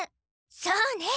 そうね！